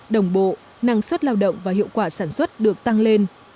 đồng bộ năng suất lao động và hiệu quả sản xuất được tăng lên